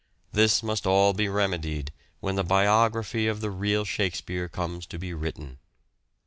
This must all be remedied when the biography of the real " Shakespeare " comes to be written.